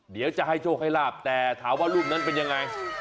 เดี๋ยวจะให้โชคให้ลาบแต่ถามว่ารูปนั้นเป็นยังไง